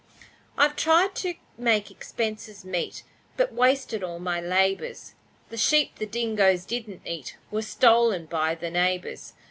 I've tried to make expenses meet, But wasted all my labours, The sheep the dingoes didn't eat Were stolen by the neighbours.